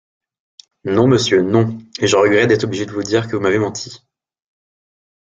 Non, monsieur, non, et je regrette d'être obligé de vous dire que vous m'avez menti.